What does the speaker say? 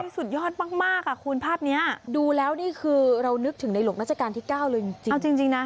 สุดยอดมากอ่ะคุณภาพนี้ดูแล้วนี่คือเรานึกถึงในหลวงราชการที่๙เลยจริงเอาจริงนะ